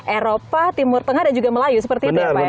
eropa timur tengah dan juga melayu seperti itu ya pak ya